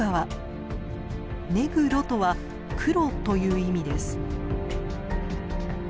ネグロとは「黒」という意味です。